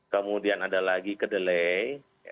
kemudian ada lagi kedelai